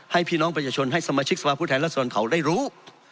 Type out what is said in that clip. ให้พี่น้องประชาชนให้สมาชิกสภาพพูดไทยและส่วนเขาได้รู้